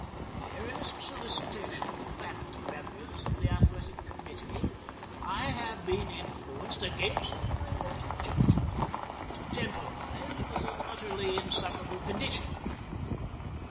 At the earnest solicitation of the faculty members of the athletic committee, I have been influenced, against my better judgment, to temporize with an utterly insufferable condition.